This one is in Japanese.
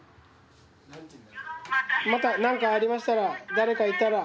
また何かありましたら。